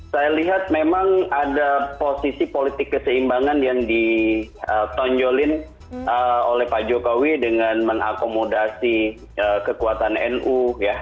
saya lihat memang ada posisi politik keseimbangan yang ditonjolin oleh pak jokowi dengan mengakomodasi kekuatan nu ya